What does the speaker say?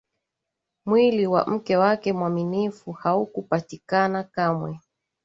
mwili wa mke wake mwaminifu haukupatikana kamwe